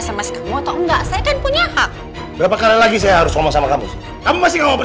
gue cuma gak mau lo kenapa napa kalau ada apa apa bilang aja ya